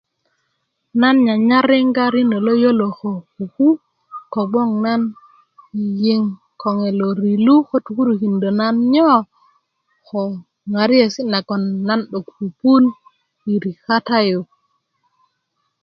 nan nyanyar rinö lo yolo ko kuku ko kogboŋ nan yiyiŋ koŋe lo ri lu ko turukindö nan nyo ŋariyesi' nagoŋ nan 'dok pupuun yi ri kata yu